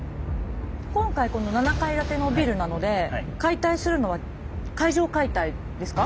今回この７階建てのビルなので解体するのは階上解体ですか？